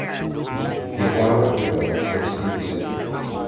The Agano River flows through the city.